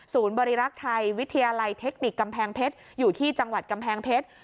บริรักษ์ไทยวิทยาลัยเทคนิคกำแพงเพชรอยู่ที่จังหวัดกำแพงเพชร